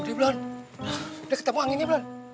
udah blon udah ketemu anginnya blon